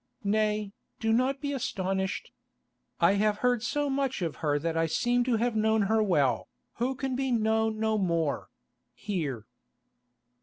Nay, do not be astonished. I have heard so much of her that I seem to have known her well, who can be known no more—here."